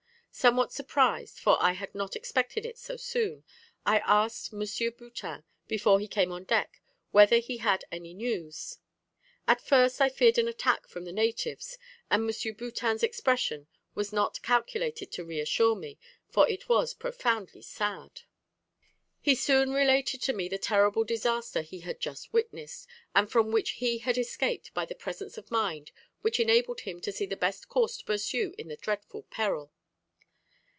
Somewhat surprised, for I had not expected it so soon, I asked M. Boutin, before he came on deck, whether he had any news. At first I feared an attack from the natives, and M. Boutin's expression was not calculated to reassure me, for it was profoundly sad. "He soon related to me the terrible disaster he had just witnessed, and from which he had escaped by the presence of mind which enabled him to see the best course to pursue in the dreadful peril.